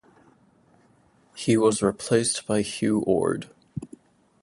He was replaced by Hugh Orde.